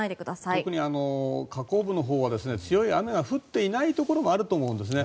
特に河口部のほうは強い雨が降っていないところもあると思うんですね。